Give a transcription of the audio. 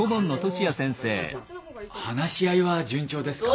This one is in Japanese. あの話し合いは順調ですか？